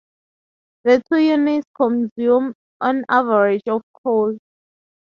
The two units consume on average of coal.